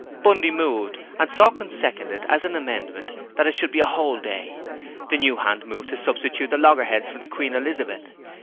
Bundy moved, and Sawkins seconded, as an amendment, that it should be a whole day. The new hand moved to substitute the Loggerheads for the Queen Elizabeth.